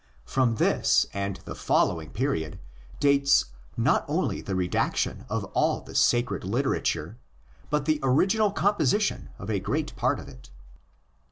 From this and the following period dates not only the redaction of all the sacred literature, but the original composition of ἃ great part of it.